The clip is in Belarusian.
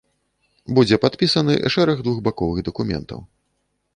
Будзе падпісаны шэраг двухбаковых дакументаў.